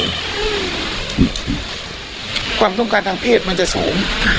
สูงกว่าปกติที่คนธรรมดาจะเป็น